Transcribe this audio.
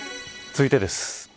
続いてです。